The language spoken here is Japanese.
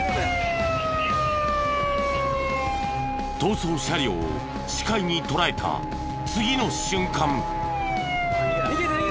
逃走車両を視界に捉えた次の瞬間。